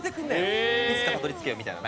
いつかたどり着けよみたいな。